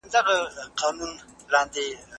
زه سبزېجات نه تياروم!!